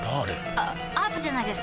あアートじゃないですか？